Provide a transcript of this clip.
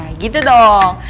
nah gitu dong